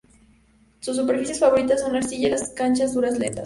Sus superficies favoritas son la arcilla y las canchas duras lentas.